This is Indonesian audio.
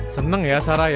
seneng ya sarah